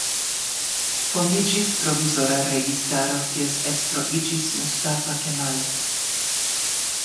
Fondiĝis provizora registaro, kies estro iĝis Mustafa Kemal.